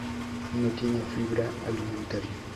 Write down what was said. No contiene fibra alimentaria.